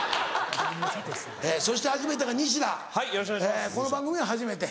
そして初めてがニシダこの番組は初めて。